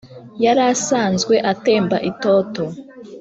yarasanzwe atemba itoto